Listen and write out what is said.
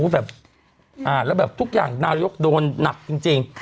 แล้วแบบทุกอย่างนายกโดนนับจริง